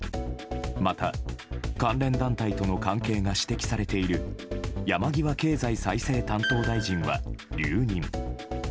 また関連団体との関係が指摘されている山際経済再生担当大臣は留任。